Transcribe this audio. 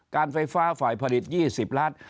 การไฟฟ้าฝ่ายผลิต๒๐ล้าน